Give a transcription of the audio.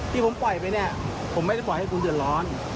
ที่ผมปล่อยไปเนี่ยผมไม่ได้ปล่อยให้คุณเดือดร้อน